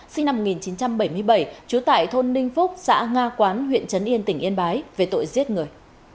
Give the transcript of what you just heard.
sinh năm một nghìn chín trăm bảy mươi bảy trú tại thôn ninh phúc xã nga quán huyện trấn yên tỉnh yên bái về tội giết người